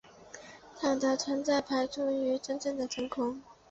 场的存在排除了真正的真空。